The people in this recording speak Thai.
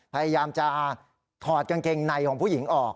พยายามจะถอดกางเกงในของผู้หญิงออก